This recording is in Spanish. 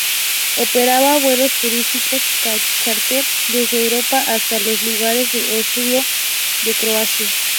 Operaba vuelos turísticos charter desde Europa hasta los lugares de ocio de Croacia.